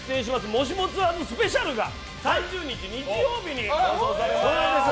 「もしもツアーズＳＰ」が３０日日曜日に放送されます。